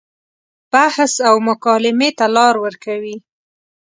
بحث او مکالمې ته لار ورکوي.